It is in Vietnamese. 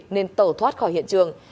nên tẩu thoát khỏi hiện trường